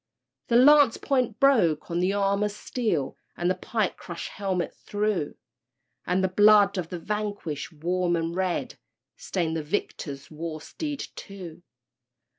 _ The lance point broke on the armor's steel, And the pike crushed helmet through, And the blood of the vanquished, warm and red, Stained the victor's war steed, too!